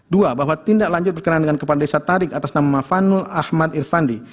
dua bahwa tindak lanjut berkenan dengan kepala desa tarik atas nama vanul ahmad irfandi